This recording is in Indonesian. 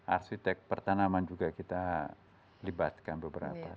arsitek pertanaman juga kita libatkan beberapa